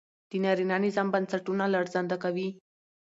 د نارينه نظام بنسټونه لړزانده کوي